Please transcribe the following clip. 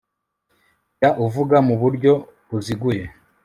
jya uvuga mu buryo buziguye